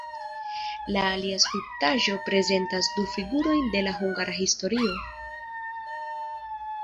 La alia skulptaĵo prezentas du figurojn de la hungara historio.